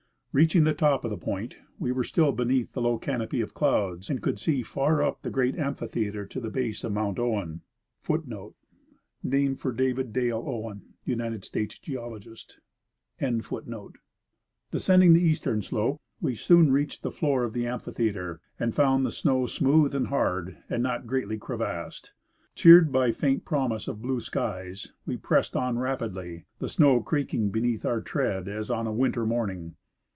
Reaching the top of the point, we were still beneath the low canopy of clouds, and could see far up the great amphitheatre to the base of Mount Oiven.^^ Descending the eastern slo]3e, we soon reached the floor of the amphitheatre, and found the snow smooth and hard and not greatly crevassed. Cheered by faint promise of blue skies, we pressed on rapidly, the snow creaking beneath our tread as on a winter morning.